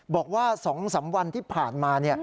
บอกว่า๒๓วันที่ผ่านมา